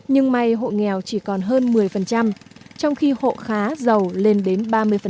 nhưng may hộ nghèo chỉ còn hơn một mươi trong khi hộ khá giàu lên đến ba mươi